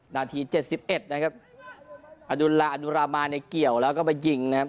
นาที๗๑นะครับอันดุลาอันดุลามาในเกี่ยวแล้วก็ไปยิงนะครับ